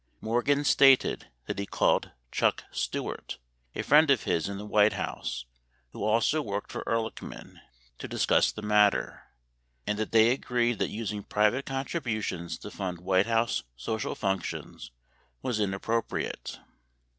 79 Morgan stated that he called Chuck Stuart, a friend of his in the White House who also worked for Ehrlichman, to discuss the matter, and that they agreed that using private contribu tions to fund White House social functions was inappropriate.